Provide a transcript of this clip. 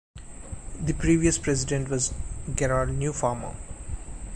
The previous president was Gerald Newfarmer.